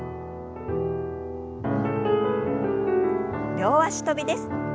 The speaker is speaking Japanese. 両脚跳びです。